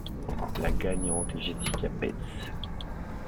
La gagnante est Jessica Betts.